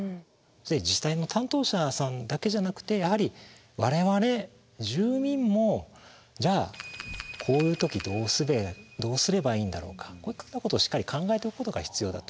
自治体の担当者さんだけじゃなくてやはり我々住民もじゃあこういう時どうすればいいんだろうかこういったことをしっかり考えておくことが必要だと思います。